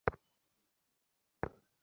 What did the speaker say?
গাঙুর অনেক ভক্ত আছে যারা এগুলো দিয়ে যায়।